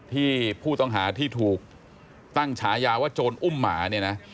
ที่ผู้ต้องหาที่ถูกตั้งฉายาว่าโจรอุ้มหมาเนี่ยนะ